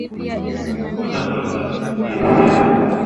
Watatu walitaka kujiendeleza kila mtu awe msanii